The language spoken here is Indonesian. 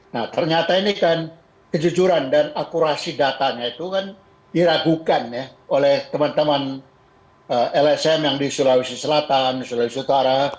nah ternyata ini kan kejujuran dan akurasi datanya itu kan diragukan ya oleh teman teman lsm yang di sulawesi selatan sulawesi utara